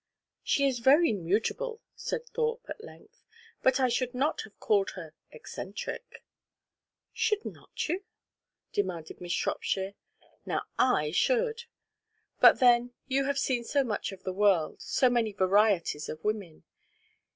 "She is very mutable," said Thorpe, at length; "but I should not have called her eccentric." "Should not you?" demanded Miss Shropshire. "Now, I should. But then you have seen so much of the world, so many varieties of women.